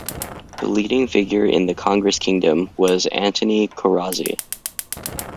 The leading figure in the Congress Kingdom was Antoni Corrazzi.